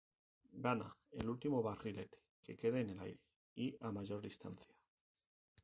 Gana el último barrilete que quede en el aire y a mayor distancia.